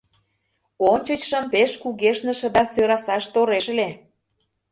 Ончычшым пеш кугешныше да сӧрасаш тореш ыле!